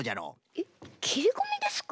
えっきりこみですか？